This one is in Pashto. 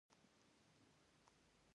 يوه هندواڼه درسره راوړه.